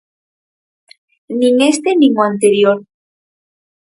Nin este nin o anterior.